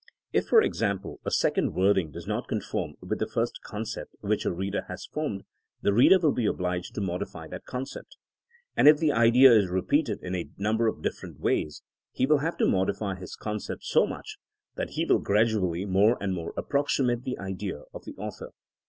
If, for example, a second wording does not conform with the first concept which a reader has formed, the reader will be obliged to modify that concept. And if the idea is repeated in a number of different ways he will have to modify his concept so much that he will gradually more and more approximate the idea of the author.